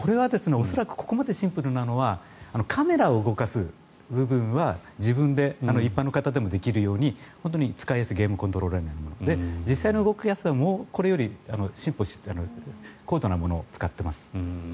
恐らくここまでシンプルなのはカメラを動かす部分は自分で一般の方でもできるように本当に使いやすいゲームコントローラーのようなもので実際の動くやつはこれより高度なものを使っています。